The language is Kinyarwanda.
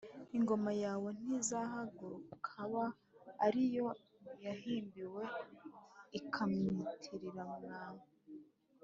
lngoma yawe ntizahangukba ari iyo yahimbiwe ikamwitirirwaantu